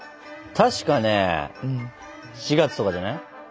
たしかね４月とかじゃない？